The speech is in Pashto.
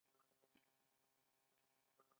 ایا زه باید شړومبې وڅښم؟